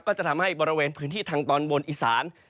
ก็จะทำให้บริเวณพื้นที่ทางตอนบนอีสาน